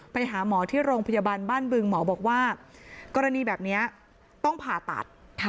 ไปหาหมอที่โรงพยาบาลบ้านบึงหมอบอกว่ากรณีแบบนี้ต้องผ่าตัด